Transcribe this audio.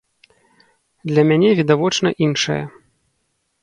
Для мяне відавочна іншае.